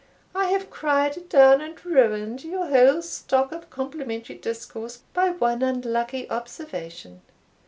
I have cried down and ruined your whole stock of complimentary discourse by one unlucky observation.